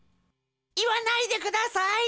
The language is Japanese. いわないでください。